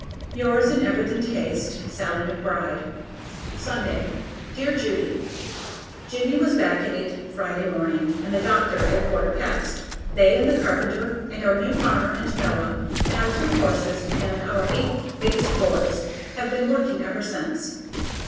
Yours in evident haste, SALLIE McBRIDE. Sunday. Dear Judy: Jimmie was back at eight Friday morning, and the doctor at a quarter past. They and the carpenter and our new farmer and Noah and our two horses and our eight biggest boys have been working ever since.